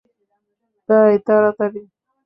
ভাই, তাড়াতাড়ি!